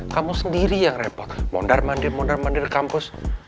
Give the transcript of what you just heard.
kamu sendiri yang repot mondar mandir mondar mandir kampus